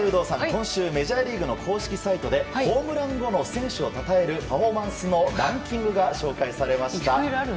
今週メジャーリーグの公式サイトで、ホームラン後の選手をたたえるパフォーマンスのランキングが紹介されました。